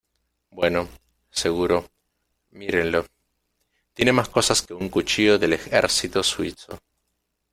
Bueno, seguro , mírenlo. Tiene más cosas que un cuchillo del ejército suizo .